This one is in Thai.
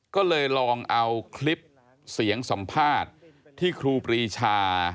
ก็เลยลองเอาคลิปเสียงสัมภาษณ์ที่ครูปรีชา